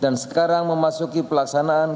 dan sekarang memasuki pelaksanaan